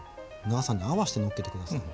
長さに合わしてのっけて下さい。